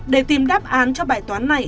để tìm đáp án cho bài toán này